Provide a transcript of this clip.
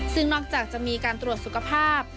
ซึ่งนอกจากจะมีการตรวจสุขภาพ